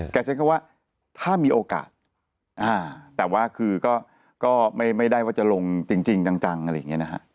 ใช้คำว่าถ้ามีโอกาสแต่ว่าคือก็ไม่ได้ว่าจะลงจริงจังอะไรอย่างนี้นะฮะ